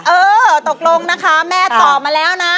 เออตกลงนะคะแม่ตอบมาแล้วนะ